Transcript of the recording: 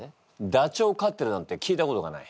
ダチョウを飼ってるなんて聞いたことがない。